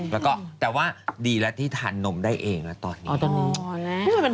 แล้วก็แต่ว่าดีแล้วที่ทานนมได้เองแล้วตอนนี้